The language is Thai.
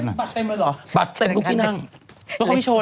อันนี้จะมาหากินขนาดนี้บัตรเต็มเลยเหรอ